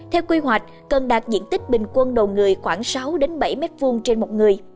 theo quy hoạch cần đạt diện tích bình quân đầu người khoảng sáu bảy m hai trên một người